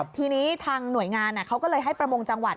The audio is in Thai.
ทีนี้ทางหน่วยงานเขาก็เลยให้ประมงจังหวัด